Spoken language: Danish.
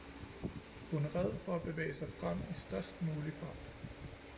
Hun red for at bevæge sig frem i størst mulig fart.